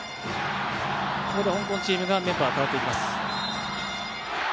香港チームメンバー変わっていきます。